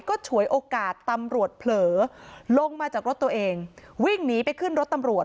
ก็ฉวยโอกาสตำรวจเผลอลงมาจากรถตัวเองวิ่งหนีไปขึ้นรถตำรวจ